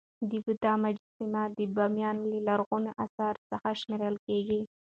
د بودا مجسمي د بامیان له لرغونو اثارو څخه شمېرل کيږي.